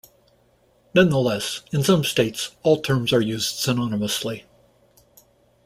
Nonetheless, in some states, all terms are used synonymously.